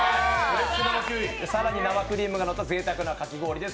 更に、生クリームがのったぜいたくなかき氷です。